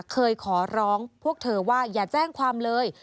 เคยขอร้องพวกเธอว่าอย่าแจ้งความเลย